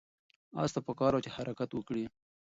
آس ته پکار وه چې حرکت وکړي.